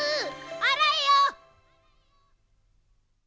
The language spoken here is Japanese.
あらえよ！